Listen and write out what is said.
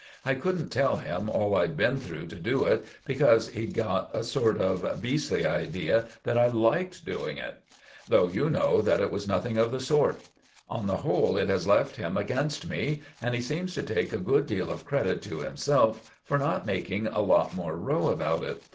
I couldn't tell him all I'd been through to do it, because he'd got a sort of beastly idea that I liked doing it; though you know that it was nothing of the sort. On the whole it has left him against me, and he seems to take a good deal of credit to himself for not making a lot more row about it.